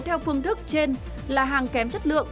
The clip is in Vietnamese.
theo phương thức trên là hàng kém chất lượng